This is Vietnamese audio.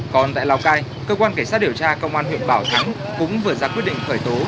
còn tại lào cai cơ quan cảnh sát điều tra công an huyện bảo thắng cũng vừa ra quyết định khởi tố